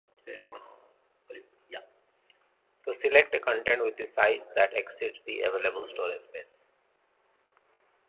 Select a content with a size that exceeds the available storage space.